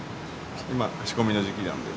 今仕込みの時期なんで。